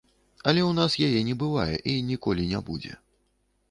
Але ў нас яе не бывае і ніколі не будзе.